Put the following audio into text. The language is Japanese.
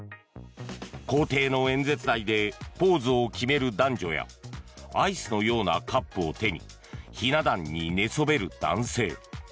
公邸の演説台でポーズを決める男女やアイスのようなカップを手にひな壇に寝そべる男性。